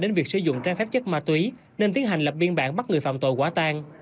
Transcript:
đến việc sử dụng trái phép chất ma túy nên tiến hành lập biên bản bắt người phạm tội quả tang